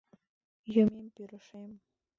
Юмем-пӱршем!